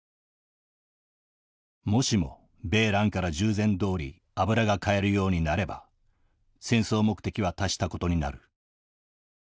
もしも米蘭から従前どおり油が買えるようになれば戦争目的は達したことになる。